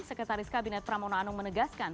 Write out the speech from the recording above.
sekretaris kabinet pramono anung menegaskan